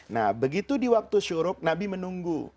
nah begitu di waktu syuruk nabi menunggu